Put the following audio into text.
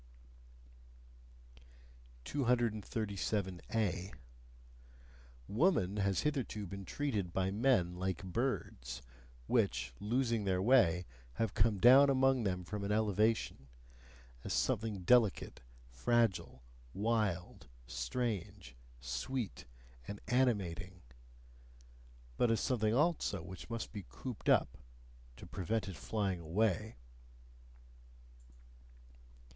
237A. Woman has hitherto been treated by men like birds, which, losing their way, have come down among them from an elevation: as something delicate, fragile, wild, strange, sweet, and animating but as something also which must be cooped up to prevent it flying away.